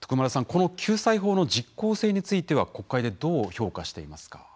この救済法の実効性については国会でどう評価していますか。